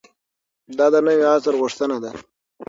دا د نوي عصر غوښتنه ده.